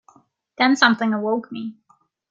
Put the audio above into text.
Then something awoke me.